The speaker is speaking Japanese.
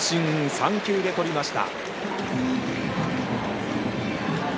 ３球でとりました。